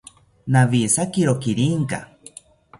Nawijakiro kirinka